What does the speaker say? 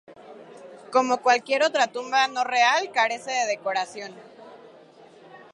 Como cualquier otra tumba no real, carece de decoración.